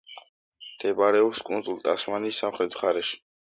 მდებარეობს კუნძულ ტასმანიის სამხრეთ მხარეში.